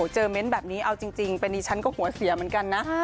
เม้นต์แบบนี้เอาจริงเป็นดิฉันก็หัวเสียเหมือนกันนะ